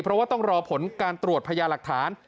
เพราะว่าต้องรอผลการตรวจพยาหลักฐาน